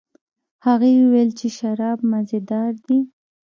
هغې وویل چې شراب مزه دار دي.